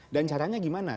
dan caranya gimana